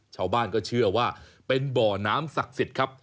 ชาวบ้านก็เชื่อว่าเป็นบ่อน้ำศักดิ์สิทธิ์ครับ